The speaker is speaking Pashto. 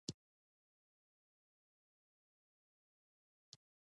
خوله يې راګړه